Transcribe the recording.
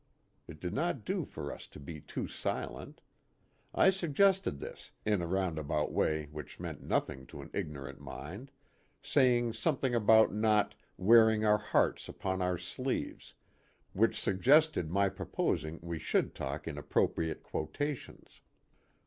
It did not do for us to be too silent. I sug gested this in a roundabout way which meant nothing to an ignorant mind saying something A PICNIC NEAR THE EQUATOR. 6 1 about not " wearing our hearts upon our sleeves," which suggested my proposing we should talk in appropriate quotations.